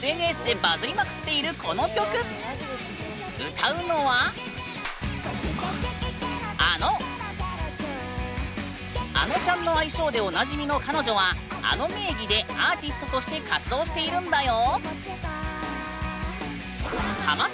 歌うのはあのちゃんの愛称でおなじみの彼女はａｎｏ名義でアーティストとして活動しているんだよ！